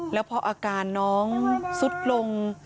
แล้วพออาการน้องสุดลง